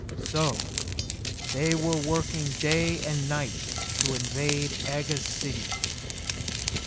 So they were working day and night to invade Aga's city!